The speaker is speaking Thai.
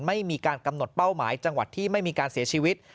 ไม่มีการกำหนดเป้าหมายจังหวัดที่ไม่มีการเสียชีวิต